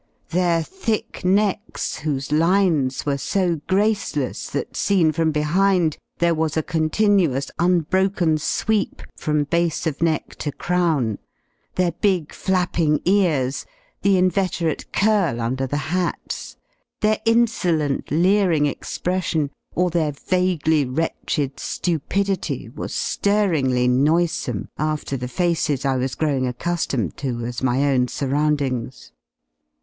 Their thick necks, whose lines were so graceless, that seen from behind there was a continuous, unbroken sweep from base of neck to crown, their big flapping ears, the inveterate curl under the hats, their insolent leering expression, or their vaguely wretched Cupidity was ^ir ringly noisome, after the faces I was growing accu^omed to as my own surroundings.